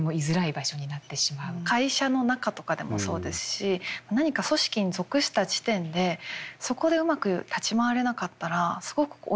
会社の中とかでもそうですし何か組織に属した時点でそこでうまく立ち回れなかったらすごく追い込まれて。